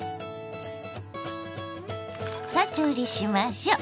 さあ調理しましょ。